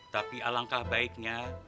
tapi alangkah baiknya